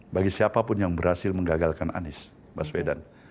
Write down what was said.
bagi siapapun yang berhasil menggagalkan anies baswedan